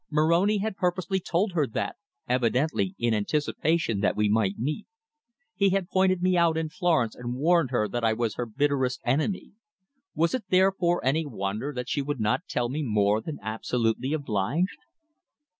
Moroni had purposely told her that, evidently in anticipation that we might meet! He had pointed me out in Florence and warned her that I was her bitterest enemy. Was it therefore any wonder that she would not tell me more than absolutely obliged?